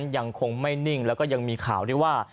ยังคงไม่นิ่งแล้วก็ยังมีข่าวได้ว่า